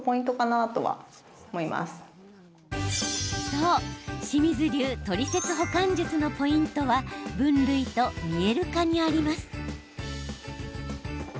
そう、清水流トリセツ保管術のポイントは分類と見える化にあります。